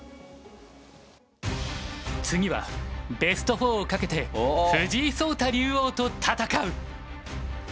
次はベスト４を懸けて藤井聡太竜王と戦う！